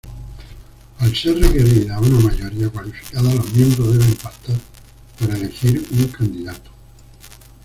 Al ser requerida una mayoría cualificada, los miembros deben pactar para elegir un candidato.